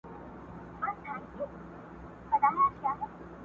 د ډوډۍ پر وخت به خپل قصر ته تلله!!